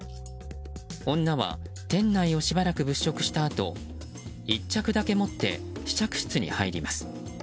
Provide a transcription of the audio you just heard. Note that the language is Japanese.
女は店内をしばらく物色したあと１着だけ持って試着室に入ります。